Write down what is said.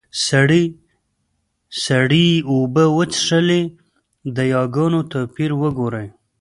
سړي سړې اوبۀ وڅښلې . د ياګانو توپير وګورئ!